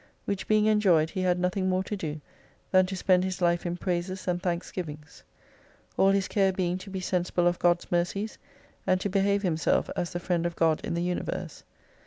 Which being enjoyed, he had nothing more to do, than to spend his life in praises and thanksgivings. All his care being to be sensible of God's mercies, and to behave himself as the friend of God in the Universe.